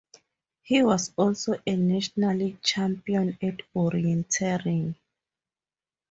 He was also a national champion at orienteering.